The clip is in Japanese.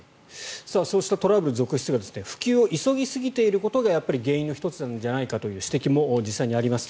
そうしたトラブル続出が普及を急ぎすぎていることが原因の１つじゃないかという指摘も実際にあります。